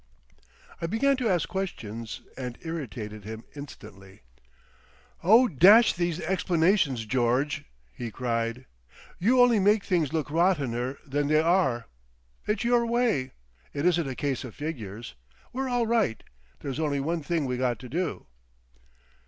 I began to ask questions and irritated him instantly. "Oh, dash these explanations, George!" he cried; "You only make things look rottener than they are. It's your way. It isn't a case of figures. We're all right—there's only one thing we got to do."